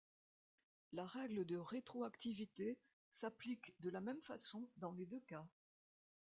La règle de rétroactivité s'applique de la même façon dans les deux cas.